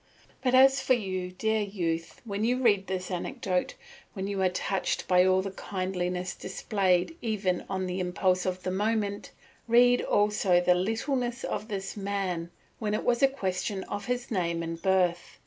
But as for you, dear youth, when you read this anecdote, when you are touched by all the kindliness displayed even on the impulse of the moment, read also the littleness of this great man when it was a question of his name and birth.